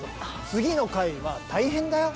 次の回は大変だよ。